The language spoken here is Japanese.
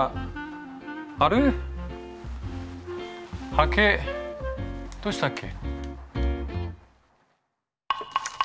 刷毛どうしたっけ？